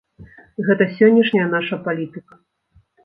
Гэта сённяшняя наша палітыка.